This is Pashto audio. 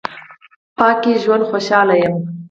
پاک ژوند کې خوشاله یم